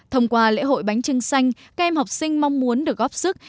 thông qua lễ hội bánh trưng xanh các em học sinh mong muốn được góp sức